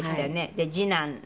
で次男が。